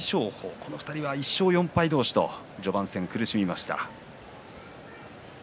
この２人は１勝４敗同士序盤戦、苦しみました。